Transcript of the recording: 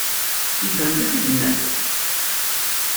Yefhem d acu i d-nnant?